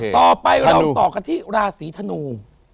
ต่อไปเราต่อกันที่ราศีธนู